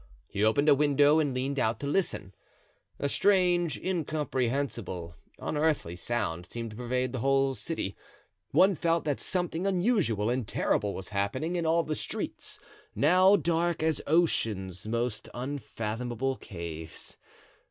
He opened a window and leaned out to listen. A strange, incomprehensible, unearthly sound seemed to pervade the whole city; one felt that something unusual and terrible was happening in all the streets, now dark as ocean's most unfathomable caves.